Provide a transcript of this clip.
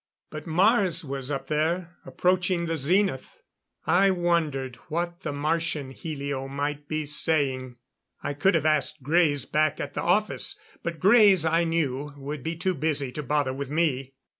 But Mars was up there approaching the zenith. I wondered what the Martian helio might be saying. I could have asked Greys back at the office. But Greys, I knew, would be too busy to bother with me.